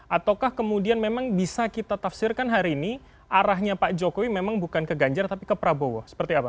ataukah kemudian memang bisa kita tafsirkan hari ini arahnya pak jokowi memang bukan ke ganjar tapi ke prabowo seperti apa